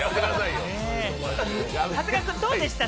長谷川さんどうでした？